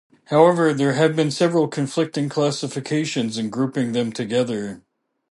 However, there have been several conflicting classifications in grouping them together.